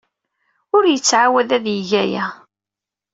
Ur yettɛawad ad yeg aya.